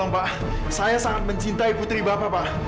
pak saya sangat mencintai putri bapak pak